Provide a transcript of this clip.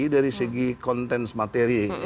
dari segi konten materi